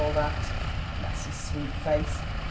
325 all Ihal ?— Bless his sweet face !